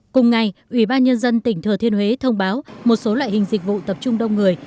cùng ngày ubnd tỉnh thừa thiên huế thông báo một số loại hình dịch vụ tập trung đông người